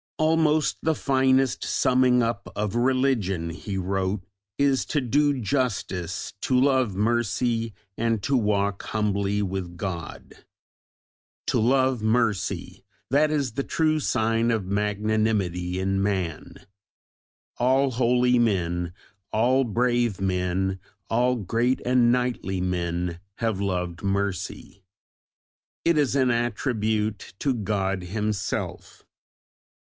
"Almost the finest summing up of religion," he wrote, "is 'to do justice, to love mercy, and to walk humbly with God.'" "To love mercy!" That is the true sign of magnanimity in man. All holy men, all brave men, all great and knightly men have loved mercy. "It is an attribute to God Himself."